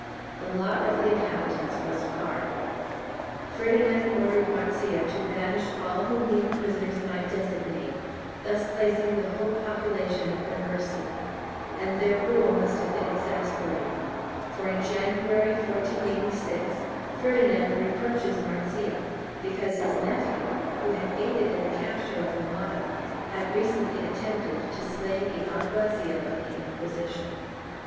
The lot of the inhabi tants was hard. Ferdinand ordered Marzilla to banish all whom the inquisitors might designate, thus placing the whole population at their mercy, and their rule must have been exasperating, for, in January, 1486, Ferdinand reproaches Marzilla because his nephew, who had aided in the capture of la Mata, had recently attempted to slay the alguazil of the Inquisition.